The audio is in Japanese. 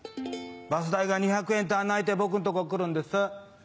バス代が２００円足んないって僕のとこ来るんです。